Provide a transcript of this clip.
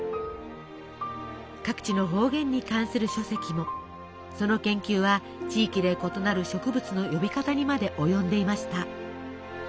各地の方言に関する書籍もその研究は地域で異なる植物の呼び方にまで及んでいました。